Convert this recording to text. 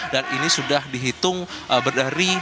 dan ini sudah dihitung berdari